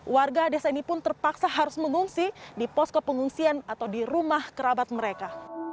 warga desa ini pun terpaksa harus mengungsi di posko pengungsian atau di rumah kerabat mereka